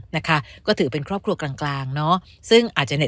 นะคะก็ถือเป็นครอบครัวกลางกลางเนอะซึ่งอาจจะเห็ด